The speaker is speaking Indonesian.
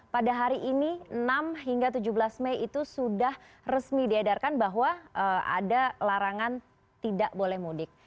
pada hari ini enam hingga tujuh belas mei itu sudah resmi diedarkan bahwa ada larangan tidak boleh mudik